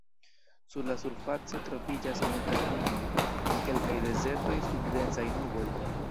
Sur la surfaco troviĝas multaj dunoj en kelkaj dezertoj sub densaj nuboj.